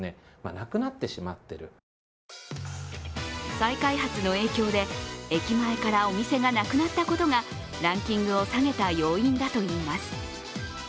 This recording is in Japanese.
再開発の影響で、駅前からお店がなくなったことがランキングを下げた要因だといいます。